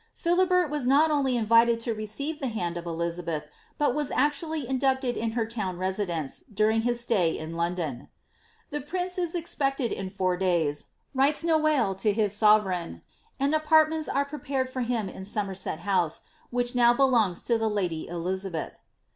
Philiben was not only invited to receive the hand of Elizabeth, but VM actually inducted in her town residence, during his stay in London. "The prince is expected in four days,^' writes Noailles to his sovereign,' '*iiui apartments are prepared for him in Somerset House, which now belongs to the lady Elizabeth."